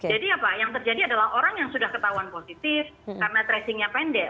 jadi apa yang terjadi adalah orang yang sudah ketahuan positif karena tracingnya pendek